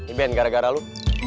eben gara gara lo